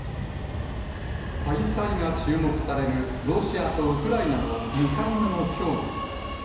開催が注目されるロシアとウクライナの２回目の協議。